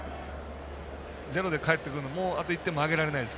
ゼロで帰ってくるのもあと１点もあげられないです